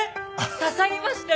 刺さりましたよ